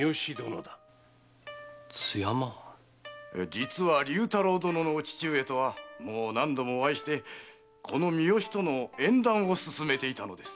実は竜太郎殿のお父上とはもう何度もお会いしてこの美芳との縁談をすすめていたのです。